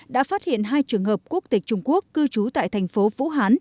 đã phát hiện hai trường hợp quốc tịch trung quốc cư trú tại thành phố vũ hán